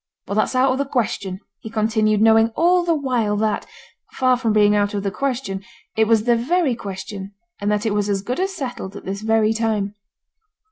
'But that's out of the question,' he continued, knowing all the while that, far from being out of the question, it was the very question, and that it was as good as settled at this very time.